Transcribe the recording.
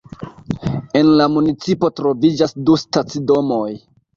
En la municipo troviĝas du stacidomoj.